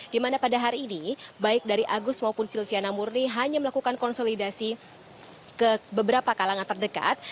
di mana pada hari ini baik dari agus maupun silviana murni hanya melakukan konsolidasi ke beberapa kalangan terdekat